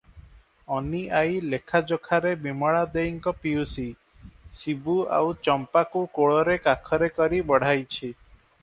ଅନୀ ଆଈ ଲେଖାଯୋଖାରେ ବିମଳା ଦେଈଙ୍କ ପିଉସୀ, ଶିବୁ ଆଉ ଚମ୍ପାକୁ କୋଳରେ କାଖରେ କରି ବଢ଼ାଇଛି ।